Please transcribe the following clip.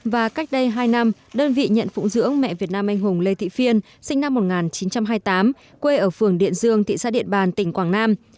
và cách đây hai năm đơn vị nhận phụng dưỡng mẹ việt nam anh hùng lê thị phiên sinh năm một nghìn chín trăm hai mươi tám quê ở phường điện dương thị xã điện bàn tỉnh quảng nam